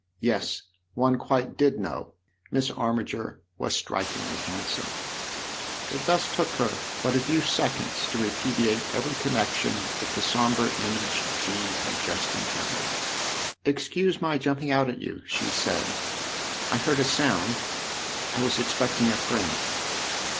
Yes, one quite did know : Miss Armiger was strikingly handsome. It thus took her but a few seconds to repudiate every connection with the sombre image Jean had just encountered. " Excuse my jumping out at you," she said. " I heard a sound I was expecting a friend."